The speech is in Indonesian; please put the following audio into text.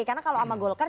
karena kalau sama golkar